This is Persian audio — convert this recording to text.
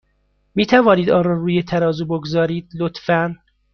می توانید آن را روی ترازو بگذارید، لطفا؟